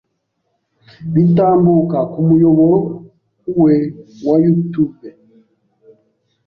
bitambuka ku muyoboro we wa YouTube